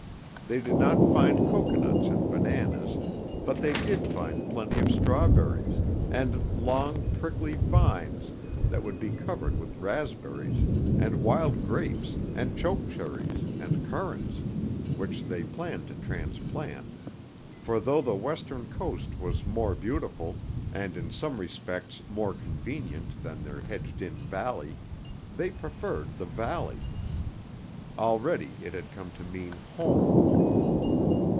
They did not find cocoanuts and bananas, but they did find plenty of strawberries, and long, prickly vines that would be covered with raspberries, and wild grapes and choke cherries and currants, which they planned to transplant, for though the Western coast was more beautiful, and in some respects more convenient than their hedged in valley, they preferred the valley. Already it had come to mean home.